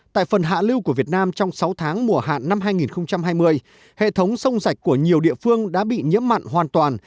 tại phần hạ lưu của việt nam trong sáu tháng mùa hạn năm hai nghìn hai mươi hệ thống sông sạch của nhiều địa phương đã bị nhiễm mặn hoàn toàn